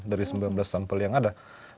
dari sembilan belas sampel yang ada